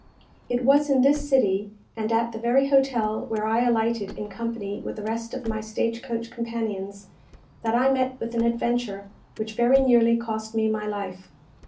It was in this city, and at the very hotel where I alighted in company with the rest of my stage coach companions, that I met with an adventure which very nearly cost me my life.